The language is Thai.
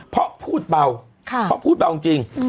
เพราะพูดเบาพูดเบากันจริง